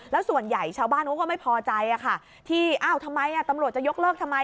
แล้วส่วนใหญ่ชาวบ้านเขาก็ไม่พอใจที่อ้าวทำไมตำรวจจะยกเลิกทำไม